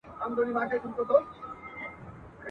خو هېر کړی هر یوه وروستی ساعت وي !.